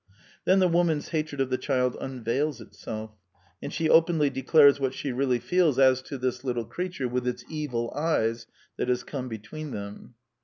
Then the woman^s hatred of the child unveils itself; and she openly declares what she really feels as to this little creature, with its " evil eyes," that has come between them.